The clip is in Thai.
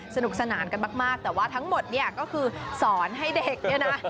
สนุกสนานกันมากแต่ว่าทั้งหมดเนี่ยก็คือสอนให้เด็กเนี่ยนะ